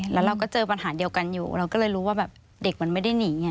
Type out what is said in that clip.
แล้วเราก็เจอปัญหาเดียวกันอยู่เราก็เลยรู้ว่าแบบเด็กมันไม่ได้หนีไง